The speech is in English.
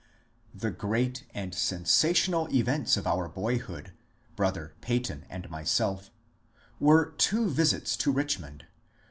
The great and sensational events of our early boyhood (brother Peyton and myself) were two visits to Richmond.